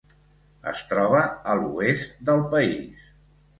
Es troba a l'oest del país.